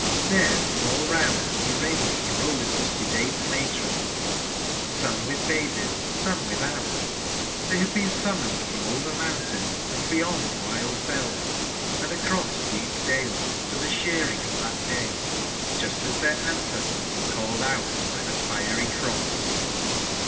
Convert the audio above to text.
There, all round, were ranged rows of sedate matrons ; some with babies, some without ; they had been summoned from over moun [ tains, and beyond wild fells, and across deep [ j dales, to the shearing of that day, just as their i ancestors were called out by the Fiery Cross.